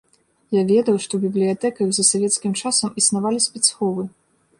Я ведаў, што ў бібліятэках за савецкім часам існавалі спецсховы.